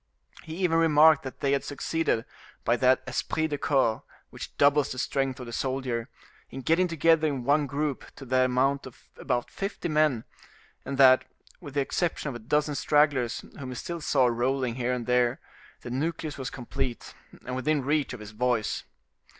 He even remarked that they had succeeded, by that esprit de corps which doubles the strength of the soldier, in getting together in one group to the amount of about fifty men; and that, with the exception of a dozen stragglers whom he still saw rolling here and there, the nucleus was complete, and within reach of his voice.